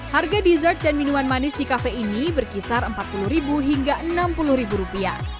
harga dessert dan minuman manis di kafe ini berkisar rp empat puluh hingga rp enam puluh